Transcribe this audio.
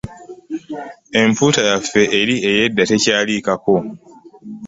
Empuuta yaffe eri ey'edda tekyaliikako!